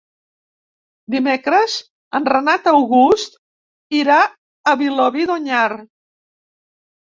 Dimecres en Renat August irà a Vilobí d'Onyar.